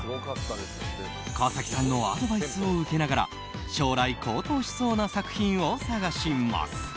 川崎さんのアドバイスを受けながら将来、高騰しそうな作品を探します。